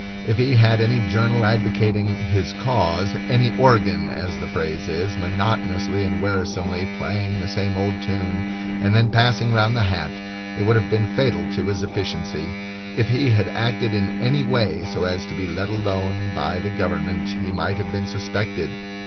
If he had had any journal advocating "his cause," any organ, as the phrase is, monotonously and wearisomely playing the same old tune, and then passing round the hat, it would have been fatal to his efficiency. If he had acted in any way so as to be let alone by the government, he might have been suspected.